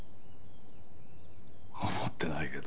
思ってないけど。